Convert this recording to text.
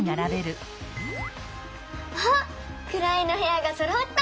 あっくらいのへやがそろった！